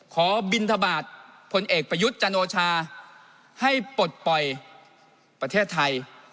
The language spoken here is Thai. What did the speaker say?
บินทบาทพลเอกประยุทธ์จันโอชาให้ปลดปล่อยประเทศไทย